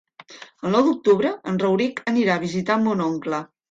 El nou d'octubre en Rauric anirà a visitar mon oncle.